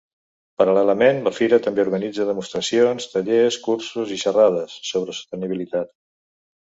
Paral·lelament, la fira també organitza demostracions, tallers, cursos i xerrades sobre sostenibilitat.